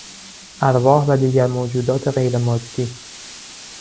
ارواح و دیگر موجودات غیر مادی